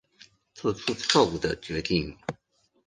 做出错误的决定